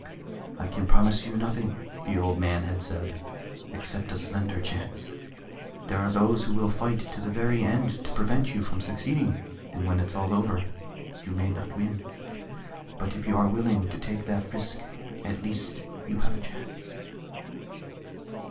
"I can promise you nothing," the old man had said, "except a slender chance. There are those who will fight to the very end to prevent you from succeeding, and when it's all over, you may not win. But if you are willing to take that risk, at least you have a chance."